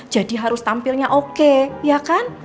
jadi harus tampilnya oke ya kan